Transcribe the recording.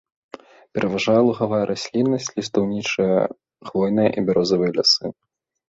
Пераважае лугавая расліннасць, лістоўнічныя, хвойныя і бярозавыя лясы.